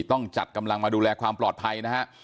ต้องจัดกำลังมาดูแลความปลอดภัยนะฮะ